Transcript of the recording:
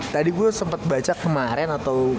tadi gue sempet baca kemaren atau